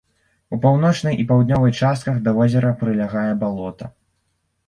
У паўночнай і паўднёвай частках да возера прылягае балота.